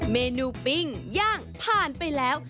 เมนูปิ้งย่างผ่านไปแล้ว